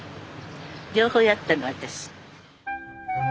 両方やったの私。